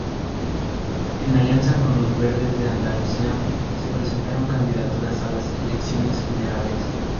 En alianza con Los Verdes de Andalucía se presentaron candidaturas a las elecciones generales.